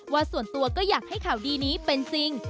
ว่าส่วนตัวก็อยากให้ข่าวดีนี้เป็นจริง